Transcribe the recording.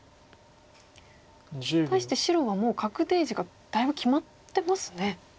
対して白はもう確定地がだいぶ決まってますね。